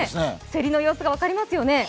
競りの様子が分かりますよね。